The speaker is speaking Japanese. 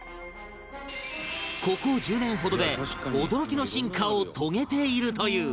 ここ１０年ほどで驚きの進化を遂げているという